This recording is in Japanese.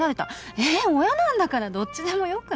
え親なんだからどっちでもよくない？